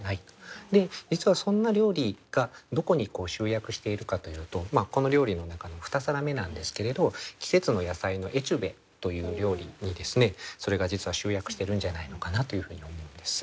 実はそんな料理がどこに集約しているかというとこの料理の中の２皿目なんですけれど「季節の野菜のエチュベ」という料理にそれが実は集約してるんじゃないのかなというふうに思うんです。